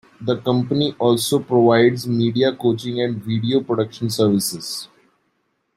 The company also provides media coaching and video production services.